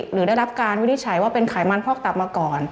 หรือได้รับการวินิจฉัยว่าเป็นไขมันพอกตับมาก่อน